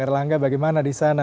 erlangga bagaimana di sana